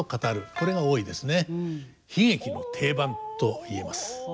これが多いですね。